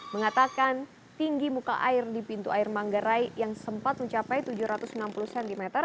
mengatakan tinggi muka air di pintu air manggarai yang sempat mencapai tujuh ratus enam puluh cm